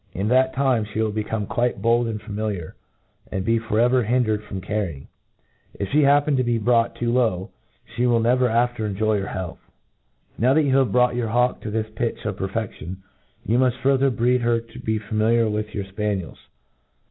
In that time, fhe will become quite bold and familiar, and be forever hindered from carrying. If fhe happen to be brought too Ipw^ flie will never after enjoy her health. Now that you have brought your hawk to this pitch of perfedion, you muft further breed . her to be familiar with yourTpaniels.